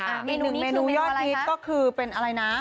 เมนูนี้คือเมนูอะไรคะก็คือเป็นอะไรนะ